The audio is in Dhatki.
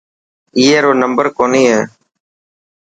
اي رو نمبر ڪوني هي.